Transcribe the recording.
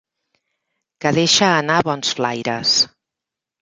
Que deixa anar bons flaires.